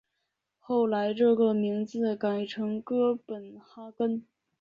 后来这个名字改成哥本哈根。